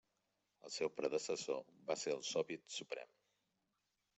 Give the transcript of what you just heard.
El seu predecessor va ser el Soviet Suprem.